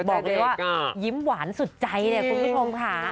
บอกเลยว่ายิ้มหวานสุดใจเลยคุณผู้ชมค่ะ